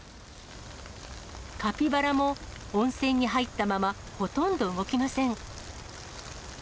カピバラも温泉に入ったまま、ほとんど動きません。